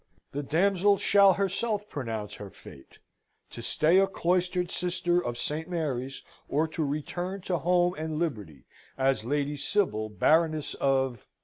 The damsel shall herself pronounce her fate to stay a cloistered sister of Saint Mary's, or to return to home and liberty, as Lady Sybil, Baroness of